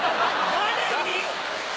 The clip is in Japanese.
誰に？